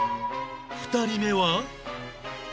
２人目は